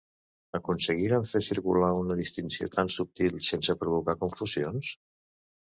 ¿Aconseguirem fer circular una distinció tan subtil sense provocar confusions?